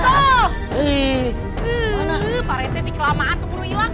eh pak rete sih kelamaan keburu ilang